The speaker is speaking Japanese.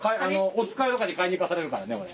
おつかいとかに買いに行かされるからね俺。